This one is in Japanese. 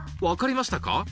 分かりましたか？